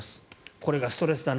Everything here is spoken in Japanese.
これがストレスだな。